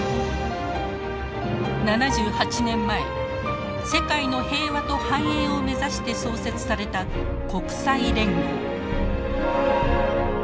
７８年前「世界の平和と繁栄」を目指して創設された国際連合。